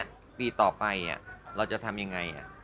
ปีต่อไปเราจะทำยังไง